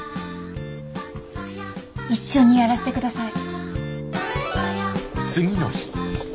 一緒にやらせて下さい。